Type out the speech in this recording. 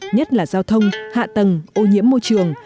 nhất là giao thông hạ tầng ô nhiễm môi trường